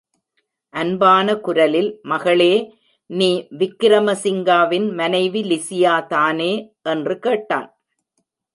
அன்பான குரலில், மகளே நீ, விக்கிரம சிங்காவின் மனைவி லிஸியா தானே என்று கேட்டான்.